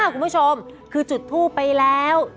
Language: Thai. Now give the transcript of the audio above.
คุณผู้ชมคือจุดทูปไปแล้ว